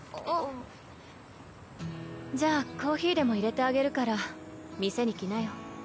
じゃあコーヒーでもいれてあげるから店に来なよ。